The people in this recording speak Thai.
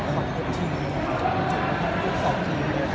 น้องน้องมันเติมขึ้นชีวิตเราทั้งคือเรา